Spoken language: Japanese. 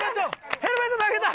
ヘルメット投げた！